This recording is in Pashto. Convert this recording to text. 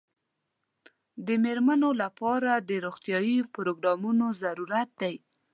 د مېرمنو لپاره د روغتیايي پروګرامونو ضرورت دی.